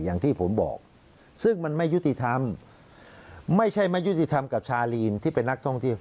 อย่างที่ผมบอกซึ่งมันไม่ยุติธรรมไม่ใช่ไม่ยุติธรรมกับชาลีนที่เป็นนักท่องเที่ยว